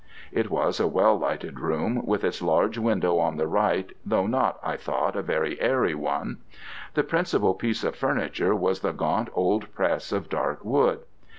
It was a well lighted room, with its large window on the right, though not, I thought, a very airy one. The principal piece of furniture was the gaunt old press of dark wood.